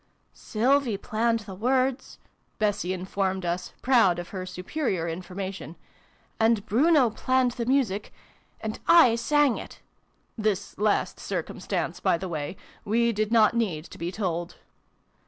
" Sylvie planned the words," Bessie informed us, proud of her superior information: "and Bruno planned the music and / sang it !' (this last circumstance, by the way, we did not need to be told).